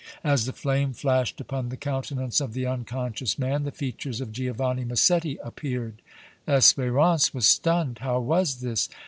As the flame flashed upon the countenance of the unconscious man, the features of Giovanni Massetti appeared! Espérance was stunned. How was this?